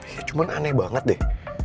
ya cuma aneh banget deh